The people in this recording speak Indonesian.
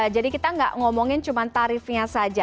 jadi kita nggak ngomongin cuma tarifnya saja